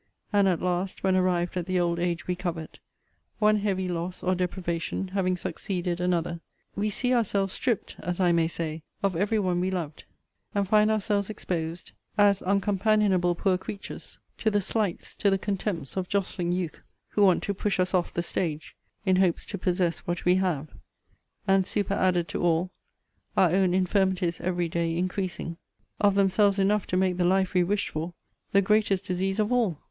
And at last, when arrived at the old age we covet, one heavy loss or deprivation having succeeded another, we see ourselves stript, as I may say, of every one we loved; and find ourselves exposed, as uncompanionable poor creatures, to the slights, to the contempts, of jostling youth, who want to push us off the stage, in hopes to possess what we have: and, superadded to all, our own infirmities every day increasing: of themselves enough to make the life we wished for the greatest disease of all!